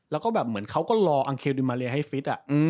แล้วก็เขาก็รออังเคลดิมาเรียให้ฟิสอ่ะ